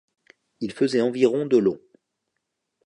Il faisait environ de long.